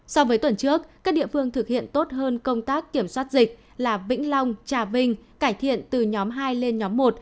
so với tuần trước các địa phương thực hiện tốt hơn công tác kiểm soát dịch là vĩnh long trà vinh cải thiện từ nhóm hai lên nhóm một